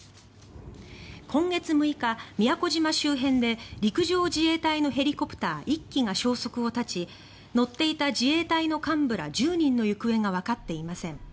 今月６日、宮古島周辺で陸上自衛隊のヘリコプター１機が消息を絶ち乗っていた自衛隊の幹部ら１０人の行方がわかっていません。